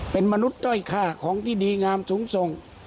เป็นมนุษย์ด้อยค่าของที่ดีงามสูงส่ง